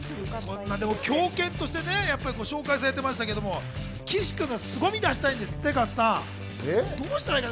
狂犬として紹介されてましたけど、岸君が、すごみを出したいんですって。